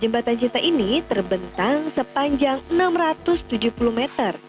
jembatan cinta ini terbentang sepanjang enam ratus tujuh puluh meter